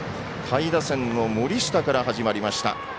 下位打線の森下から始まりました。